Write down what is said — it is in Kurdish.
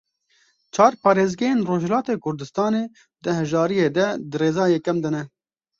Çar parêzgehên Rojhilatê Kurdistanê di hejariyê de di rêza yekem de ne.